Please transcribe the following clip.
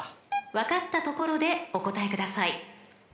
［分かったところでお答えください］